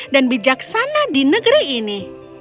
dan bijaksana di negeri ini